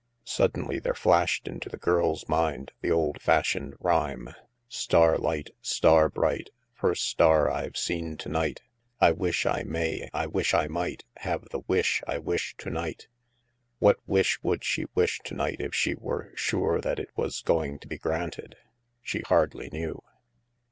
Suddenly there flashed into the girl's mind the old fashioned rhyme: Star light, star bright, First star Fve seen to night, I wish I may, I wish I might Have the wish I wish to night. 112 THE MASK What wish would she wish to night if she were sure that it was going to be granted? She hardly knew.